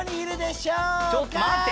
「ちょっと待って！」